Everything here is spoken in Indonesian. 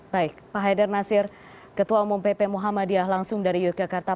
baik pak haider nasir ketua umum pp muhammadiyah langsung dari yogyakarta